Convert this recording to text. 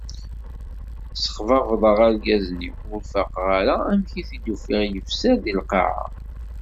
Ssexbabḍeɣ argaz-nni ur faqeɣ ara amek i t-ufiɣ yefser di lqaɛa.